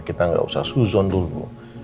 kita nggak usah suzon dulu